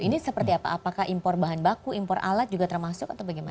ini seperti apa apakah impor bahan baku impor alat juga termasuk atau bagaimana